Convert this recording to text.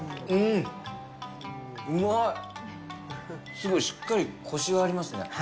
すごいしっかりコシがありますね。